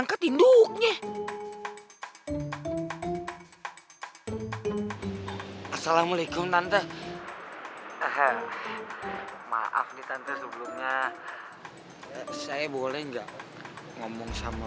ketiduknya assalamualaikum tante maaf nih tante sebelumnya saya boleh nggak ngomong sama